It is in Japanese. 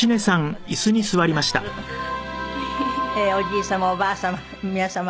おじい様おばあ様